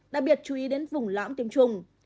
đặc biệt chú ý đến vùng lõm tiêm chủng